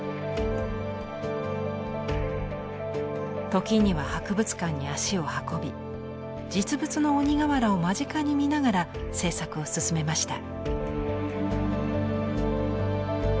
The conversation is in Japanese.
時には博物館に足を運び実物の鬼瓦を間近に見ながら制作を進めました。